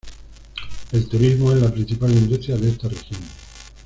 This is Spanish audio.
El turismo es la principal industria de esta región.